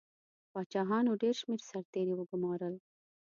پاچاهانو ډېر شمېر سرتیري وګمارل.